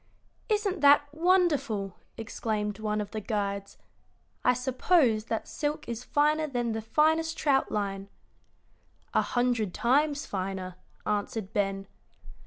"Isn't that wonderful!" exclaimed one of the guides. "I suppose that silk is finer than the finest trout line." "A hundred times finer," answered Ben.